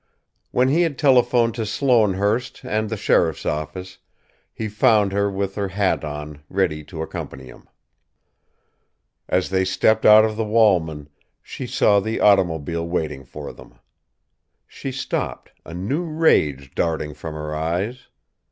When he had telephoned to Sloanehurst and the sheriff's office, he found her with her hat on, ready to accompany him. As they stepped out of the Walman, she saw the automobile waiting for them. She stopped, a new rage darting from her eyes.